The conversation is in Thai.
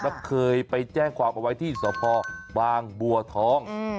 แล้วเคยไปแจ้งความเอาไว้ที่สพบางบัวทอง